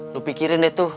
lo pikirin deh tuh